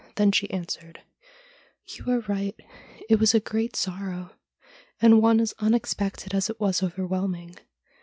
Then she answered :' You are right, it was a great sorrow; and one as un expected as it was overwhelming.